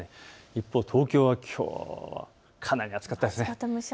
一方、東京はきょうかなり暑かったですね。